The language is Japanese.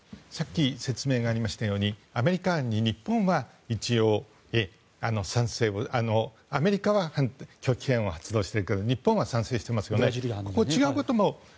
説明がありましたようにアメリカ案にアメリカは拒否権を発動しているけど日本は賛成していますよね。